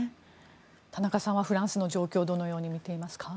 田中さんはフランスの状況をどのように見ていますか？